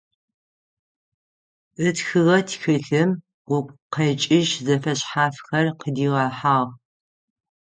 Ытхыгъэ тхылъым гукъэкӏыжь зэфэшъхьафхэр къыдигъэхьагъ.